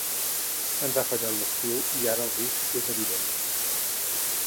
Ens ha fallat l’estiu i ara el risc és evident.